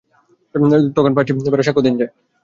তখন পাঁচটি ভেড়া সাক্ষ্য দিল যে, আল্লাহই এ নির্দেশ দিয়েছেন।